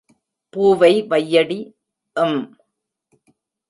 பூவை வையடி....... ம்.